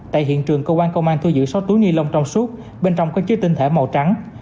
tại hiện trường công an thu giữ sáu túi nghi lông trong suốt bên trong có chiếc tinh thể màu trắng